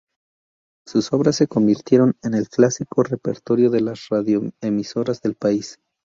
Sus obras se convirtieron en el clásico repertorio de las radioemisoras del país.